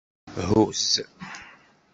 Huzz.